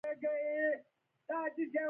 ایران د انټرنیټ محدودیتونه لري.